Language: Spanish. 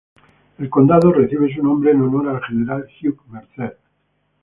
El condado recibe su nombre en honor al general Hugh Mercer.